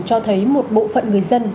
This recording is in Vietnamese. cho thấy một bộ phận người dân